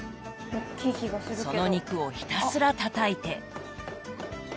その肉をひたすらたたいて。